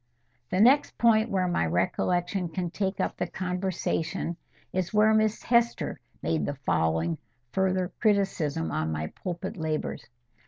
The next point where my recollection can take up the conversation, is where Miss Hester made the following further criticism on my pulpit labours.